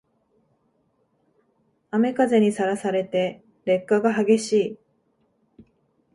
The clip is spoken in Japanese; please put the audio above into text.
雨風にさらされて劣化が激しい